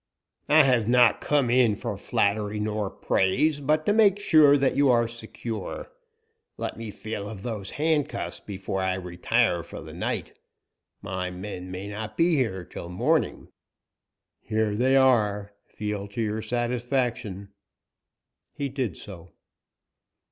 "I have not come in for flattery nor praise, but to make sure that you are secure. Let me feel of those handcuffs before I retire for the night. My men may not be here till morning." "Here they are; feel to your satisfaction." He did so.